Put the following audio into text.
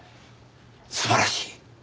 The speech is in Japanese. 素晴らしい！